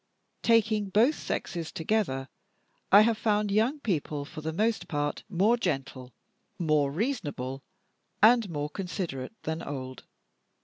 Taking both sexes together, I have found young people, for the most part, more gentle, more reasonable, and more considerate than old.